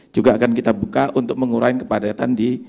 juga akan kita buka untuk mengurangi kepadatan